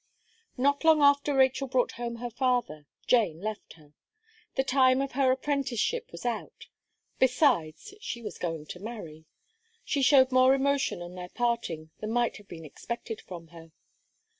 Not long after Rachel brought home her father, Jane left her. The time of her apprenticeship was out; besides, she was going to marry. She showed more emotion on their parting, than might have been expected from her.